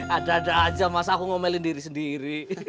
ada ada aja mas aku ngomelin diri sendiri